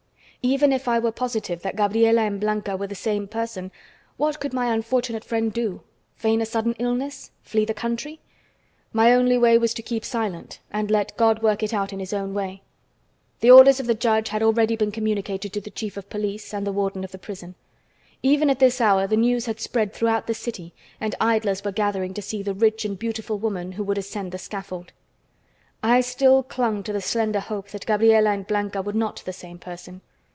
Even if I were positive that Gabriela and Blanca were the same person, what could my unfortunate friend do? Feign a sudden illness? Flee the country? My only way was to keep silent and let God work it out in His own way. The orders of the judge had already been communicated to the chief of police and the warden of the prison. Even at this hour the news had spread throughout the city and idlers were gathering to see the rich and beautiful woman who would ascend the scaffold. I still clung to the slender hope that Gabriela and Blanca were not the same person.